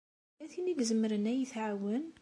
Tella tin i izemren ad yi-tɛawen?